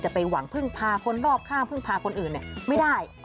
ไปหวังพึ่งพาคนรอบข้างพึ่งพาคนอื่นไม่ได้